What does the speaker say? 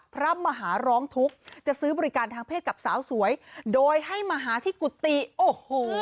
พระมหาร้องทุกข์จะซื้อบริการทางเพศกับสาวสวยโดยให้มาหาที่กุฏิโอ้โห